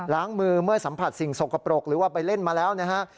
ล้างมือเมื่อสัมผัสสิ่งสกปรกหรือว่าไปเล่นมาแล้วนะฮะ